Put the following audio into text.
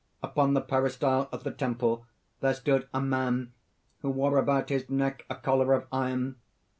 "Upon the peristyle of the temple, there stood a man who wore about his neck a collar of iron.